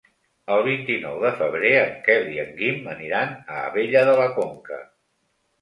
El vint-i-nou de febrer en Quel i en Guim aniran a Abella de la Conca.